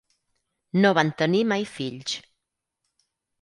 No van tenir mai fills.